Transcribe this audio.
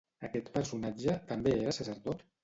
Aquest personatge també era sacerdot?